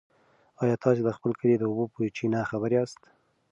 ایا تاسي د خپل کلي د اوبو په چینه خبر یاست؟